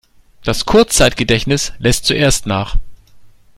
Das Kurzzeitgedächtnis lässt zuerst nach.